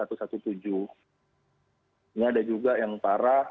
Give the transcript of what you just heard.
ini ada juga yang parah